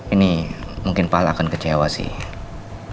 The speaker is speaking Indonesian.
ini mungkin pala akan kecewa sih